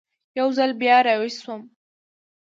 یو ځل بیا را ویښ شوم.